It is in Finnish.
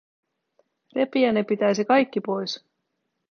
Repiä ne pitäisi kaikki pois.